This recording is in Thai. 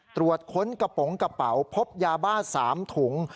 ตรวจค้นกระป๋องกระเป๋าพบยาบ้า๓ถุง